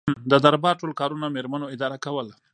د دربار ټول کارونه میرمنو اداره کول.